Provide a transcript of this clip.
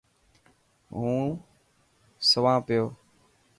هون سوان پيو.